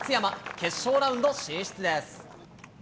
決勝ラウンド進出です。